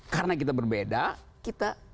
karena kita berbeda kita